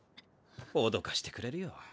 脅かしてくれるよ。